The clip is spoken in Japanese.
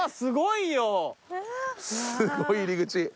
すごい入り口。